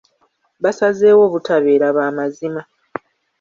Basazeewo obutabeera baamazima.